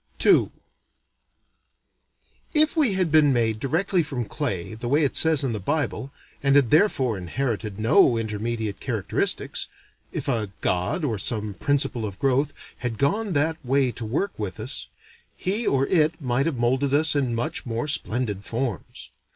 II If we had been made directly from clay, the way it says in the Bible, and had therefore inherited no intermediate characteristics, if a god, or some principle of growth, had gone that way to work with us, he or it might have molded us in much more splendid forms.